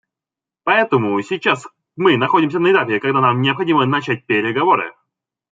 Поэтому сейчас мы находимся на этапе, когда нам необходимо начать переговоры.